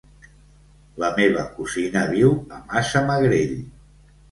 La meva cosina viu a Massamagrell.